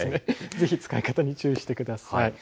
ぜひ使い方に注意してください。